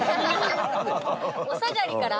お下がりから？